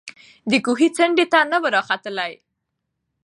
د کوهي څنډي ته نه وو راختلی